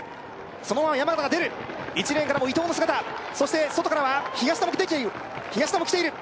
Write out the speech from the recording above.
そのまま山縣が出る１レーンからも伊藤の姿そして外からは東田も東田も来ている